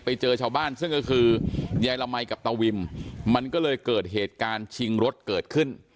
ไปเจอชาวบ้านซึ่งก็คือยายละมัยกับตาวิมมันก็เลยเกิดเหตุการณ์ชิงรถเกิดขึ้น